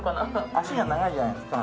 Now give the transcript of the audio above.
脚が長いじゃないですか。